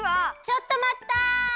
ちょっとまった！